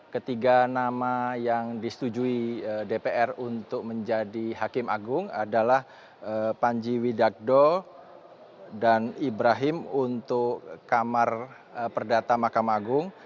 ketiga nama yang disetujui dpr untuk menjadi hakim agung adalah panji widakdo dan ibrahim untuk kamar perdata mahkamah agung